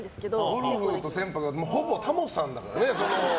ゴルフと船舶はほぼタモさんだからね。